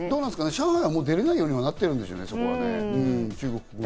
上海は出られないようになってたりするんでしょうね。